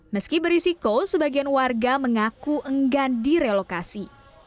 meski berisiko sebagian warga mengaku enggan direlokasi